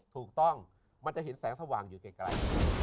ถูกต้องมันจะเห็นแสงสว่างอยู่ไกล